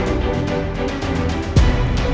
separuh appro podcast